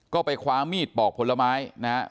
ก็ไปคว้ามีดปอกผลไม้นะครับ